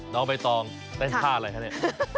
น้องใบตองเต้นท่าอะไรคะเนี่ย